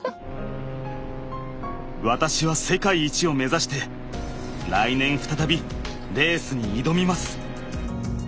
私は世界一を目指して来年再びレースに挑みます。